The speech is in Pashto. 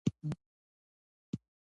ځنګلونه د افغانانو د معیشت سرچینه ده.